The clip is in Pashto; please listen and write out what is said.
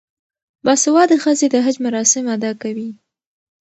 باسواده ښځې د حج مراسم ادا کوي.